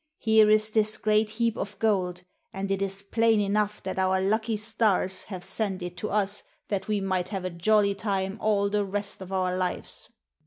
Here is this great heap of gold, and it is plain enough that our lucky stars have sent it to us that we might have a jolly time all the rest of our lives.